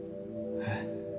えっ？